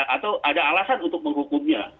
atau ada alasan untuk menghukumnya